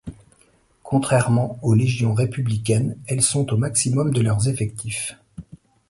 Contrairement aux légions républicaines, elles sont au maximum de leurs effectifs.